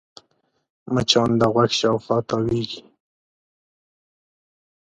مچان د غوږ شاوخوا تاوېږي